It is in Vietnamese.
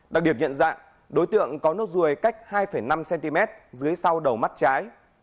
đặc điệp nhận ra đối tượng có nốt ruồi cách hai năm cm dưới sau đầu mắt trái